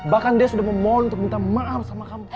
bahkan dia sudah memohon untuk minta maaf sama kamu